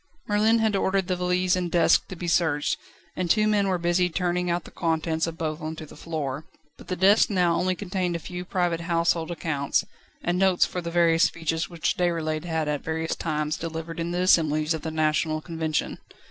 Merlin had ordered the valise and desk to be searched, and two men were busy turning out the contents of both on to the floor. But the desk now only contained a few private household accounts, and notes for the various speeches which Déroulède had at various times delivered in the assemblies of the National Convention.